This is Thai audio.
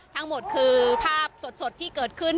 ทั้งหมดคือภาพสดที่เกิดขึ้น